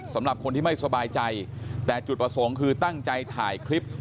สำหรับคนที่ไม่สบายใจแต่จุดประสงค์คือตั้งใจถ่ายคลิป